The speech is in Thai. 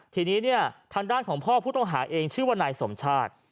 ทีนี้เนี่ยทางด้านของพ่อผู้ต้องหาเองชื่อว่านายสมชาติ